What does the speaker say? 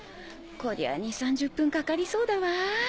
こりゃ２０３０分かかりそうだわ。